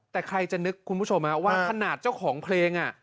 แต่ใครจะนึกว่าขนาดเจ้าของเพลง